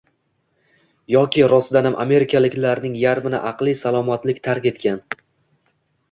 yoki rostdanam amerikaliklarning yarmini aqliy salomatlik tark etgan